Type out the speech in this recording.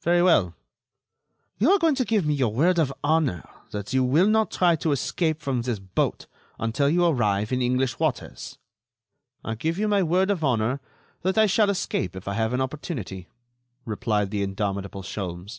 "Very well." "You are going to give me your word of honor that you will not try to escape from this boat until you arrive in English waters." "I give you my word of honor that I shall escape if I have an opportunity," replied the indomitable Sholmes.